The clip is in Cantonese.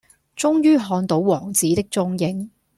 終於看到王子的踪影